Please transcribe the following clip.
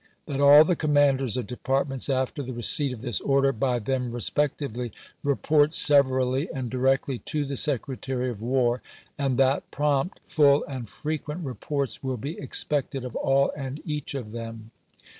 That all the commanders of departments, after the receipt of this order by them re spectively, report severally and directly to the Secretary of War, and that prompt, full, and frequent reports will be expected of aU and each of them.